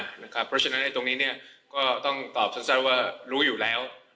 เพราะฉะนั้นตรงนี้ก็ต้องตอบสั้นว่ารู้อยู่แล้ว